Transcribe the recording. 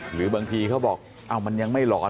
หรือบางทีเขาบอกมันยังไม่หลอน